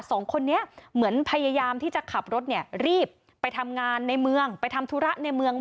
สองคนนี้เหมือนพยายามที่จะขับรถเนี่ยรีบไปทำงานในเมืองไปทำธุระในเมือง